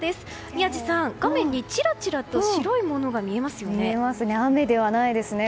宮司さん、画面にちらちらと白いものが見えますよね。